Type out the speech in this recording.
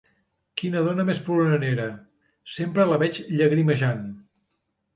Quina dona més ploranera: sempre la veig llagrimejant.